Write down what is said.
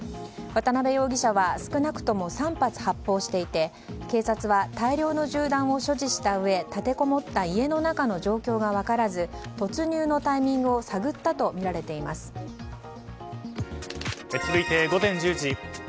渡辺容疑者は少なくとも３発発砲していて警察は大量の銃弾を所持したうえ立てこもった家の中の状況が分からず突入のタイミングを続いて午前１０時。